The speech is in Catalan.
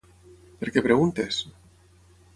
Per què preguntes?